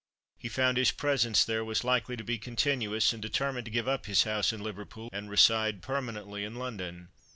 He found his presence there was likely to be continuous, and determined to give up his house in Liverpool and reside permanently in London.